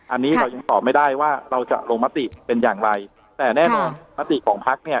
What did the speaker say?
อันนี้เรายังตอบไม่ได้ว่าเราจะลงมติเป็นอย่างไรแต่แน่นอนมติของพักเนี่ย